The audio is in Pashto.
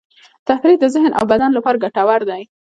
تفریح د ذهن او بدن لپاره ګټور دی.